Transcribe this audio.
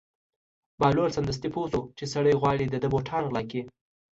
بهلول سمدستي پوه شو چې سړی غواړي د ده بوټان غلا کړي.